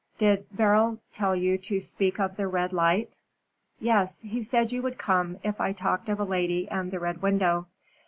Did Beryl tell you to speak of the Red Light?" "Yes. He said you would come if I talked of a lady and the Red Window.